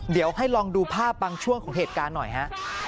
เดี๋ยวให้ลองดูภาพบางช่วงของเหตุการณ์หน่อยฮะ